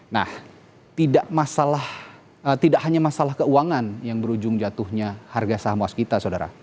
nah tidak hanya masalah keuangan yang berujung jatuhnya harga saham waskita